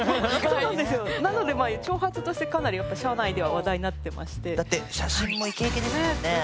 なのでまあ長髪としてかなり社内では話題になってましてだって写真もイケイケですもんね。